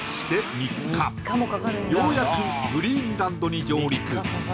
ようやくグリーンランドに上陸